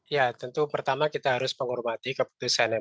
ya tentu pertama kita harus menghormati keputusan mk